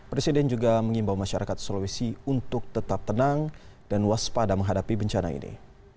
presiden juga mengimbau masyarakat sulawesi untuk tetap tenang dan waspada menghadapi bencana ini